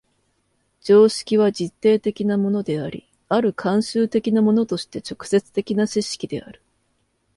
常識は実定的なものであり、或る慣習的なものとして直接的な知識である。